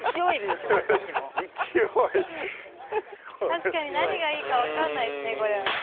「確かに何がいいかわからないですねこれ」